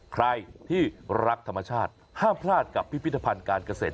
ใครที่รักธรรมชาติห้ามพลาดกับพิพิธภัณฑ์การเกษตร